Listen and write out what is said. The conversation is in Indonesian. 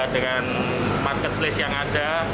dengan marketplace yang ada